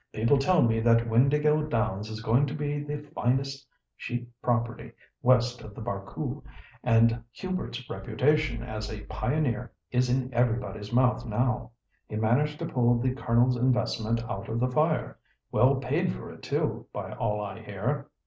"People tell me that Windāhgil Downs is going to be the finest sheep property west of the Barcoo, and Hubert's reputation as a pioneer is in everybody's mouth now. He managed to pull the Colonel's investment out of the fire. Well paid for it too, by all I hear!